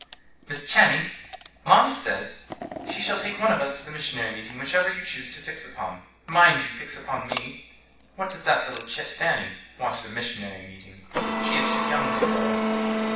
"Miss Channing, mamma says she shall take one of us to the missionary meeting, whichever you choose to fix upon. Mind you fix upon me! What does that little chit, Fanny, want at a missionary meeting? She is too young to go."